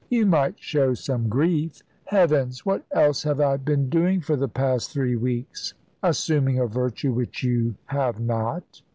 "You might show some grief." "Heavens! What else have I been doing for the past three weeks?" "Assuming a virtue which you have not."